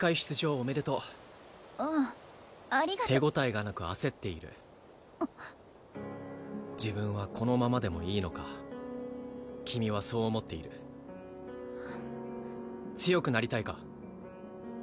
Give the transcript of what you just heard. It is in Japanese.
おめでとうああありがと手応えがなく焦っている自分はこのままでもいいのか君はそう思っている強くなりたいか？